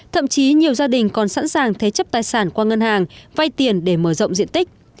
thậm chí nhiều gia đình còn sẵn sàng thế chấp tài sản qua ngân hàng vay tiền để mở rộng diện tích